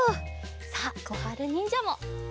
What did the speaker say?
さあこはるにんじゃも。